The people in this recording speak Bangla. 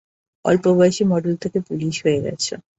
অল্পবয়সী মডেল থেকে পুলিশ হয়ে গেছো।